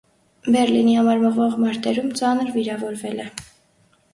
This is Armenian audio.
Բեռլինի համար մղվող մարտերում ծանր վիրավորվել է։